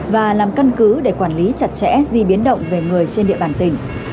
và làm căn cứ để quản lý chặt chẽ di biến động về người trên địa bàn tỉnh